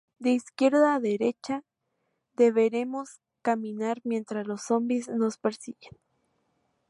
De izquierda a derecha deberemos caminar mientras los zombis nos persiguen.